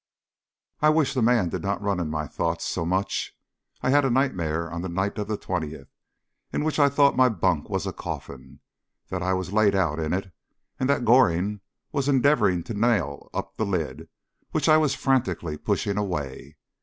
I wish the man did not run in my thoughts so much. I had a nightmare on the night of the 20th, in which I thought my bunk was a coffin, that I was laid out in it, and that Goring was endeavouring to nail up the lid, which I was frantically pushing away.